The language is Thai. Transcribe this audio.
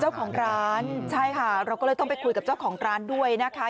เจ้าของร้านใช่ค่ะเราก็เลยต้องไปคุยกับเจ้าของร้านด้วยนะคะ